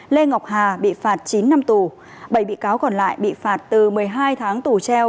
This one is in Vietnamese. lê ngọc hà bị phạt chín năm tù bảy bị cáo còn lại bị phạt từ một mươi hai tháng tù treo